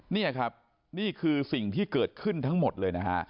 นี่ครับนี่คือสิ่งที่เกิดขึ้นทั้งหมดเลยนะฮะ